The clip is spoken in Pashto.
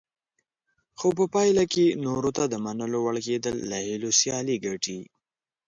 خو په پایله کې نورو ته د منلو وړ کېدل له هیلو سیالي ګټي.